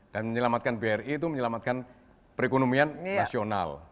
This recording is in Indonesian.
dan menyelamatkan bri itu menyelamatkan perekonomian nasional